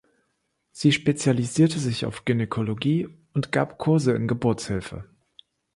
Sie spezialisierte sich auf Gynäkologie und gab Kurse in Geburtshilfe.